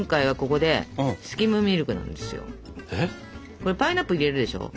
これパイナップル入れるでしょ。